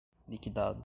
liquidado